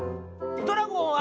「ドラゴンは？」。